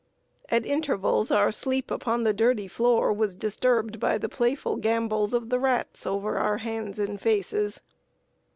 At intervals, our sleep upon the dirty floor was disturbed by the playful gambols of the rats over our hands and faces.